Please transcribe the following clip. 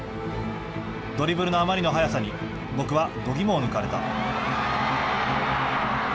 ドリブルのあまりの速さに僕はどぎもを抜かれた。